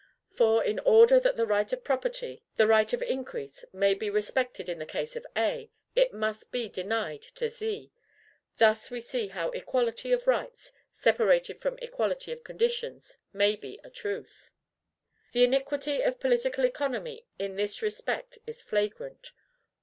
For, in order that the right of property, the right of increase, may be respected in the case of A, it must be denied to Z; thus we see how equality of rights, separated from equality of conditions, may be a truth. The iniquity of political economy in this respect is flagrant.